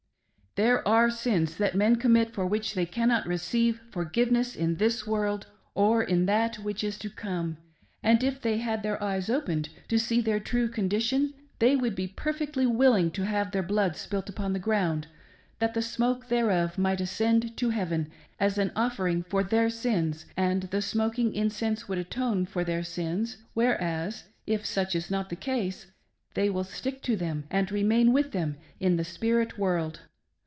'"" There are sins that men commit for which they cannot receive forgiveness in this world or in that which is to come ; and if they had their eyes opened to see their true condition, they would be perfectly willing to have their blood spilt upon the ground, that the smoke thereof might ::scend to Heaven as an offering for thei" sins, and the smoking incense would atone for their sins ; whereas, if such is not the case, they will stick to them and remain with them in the spirit world.